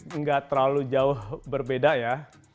ya sedikit nggak terlalu jauh berbeda ya